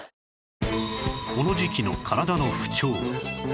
この時期の体の不調